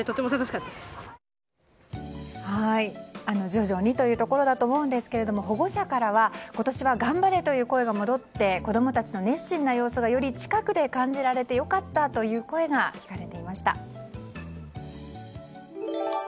徐々にというところだと思うんですが保護者からは、今年は頑張れという声が戻って子供たちの熱心な様子がより近くで感じられて良かったという声が聞かれました。